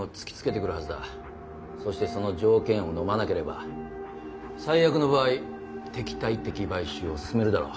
そしてその条件をのまなければ最悪の場合敵対的買収を進めるだろう。